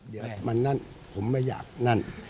เดี๋ยวมันนั่นผมไม่อยากนั่น